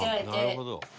「なるほど」